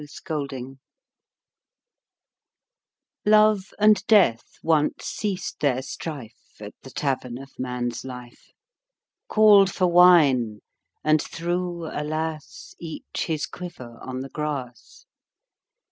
THE EXPLANATION Love and Death once ceased their strife At the Tavern of Man's Life. Called for wine, and threw — alas! — Each his quiver on the grass.